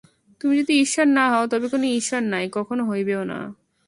তুমি যদি ঈশ্বর না হও, তবে কোন ঈশ্বর নাই, কখনও হইবেনও না।